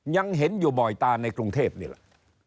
ยังเห็นอยู่บ่อยตาในกรุงเทพนี่แหละ